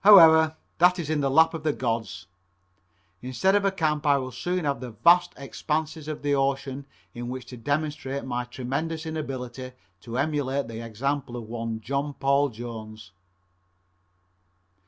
However, that is in the lap of the gods. Instead of a camp I will soon have the vast expanses of the ocean in which to demonstrate my tremendous inability to emulate the example of one John Paul Jones.